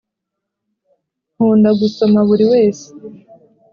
nkunda gusoma buriwese